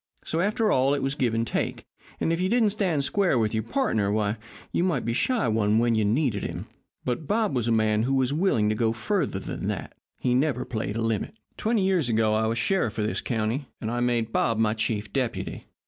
So, after all, it was give and take, and if you didn't stand square with your pardner, why, you might be shy one when you needed him. But Bob was a man who was willing to go further than that. He never played a limit. "Twenty years ago I was sheriff of this county, and I made Bob my chief deputy.